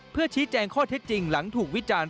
เพื่อชี้แจงข้อเท็จจริงหลังถูกวิจารณ์